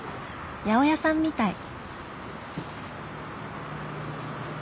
八百屋さんみたい。